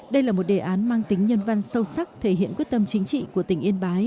đây là một đề án mang tính nhân văn sâu sắc thể hiện quyết tâm chính trị của tỉnh yên bái